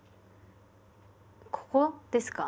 ここですか？